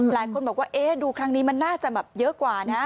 หลายคนบอกว่าเอ๊ะดูครั้งนี้มันน่าจะแบบเยอะกว่านะ